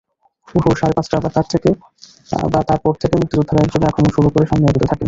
ভোর সাড়ে পাঁচটা বা তার পর থেকে মুক্তিযোদ্ধারা একযোগে আক্রমণ শুরু করে সামনে এগোতে থাকেন।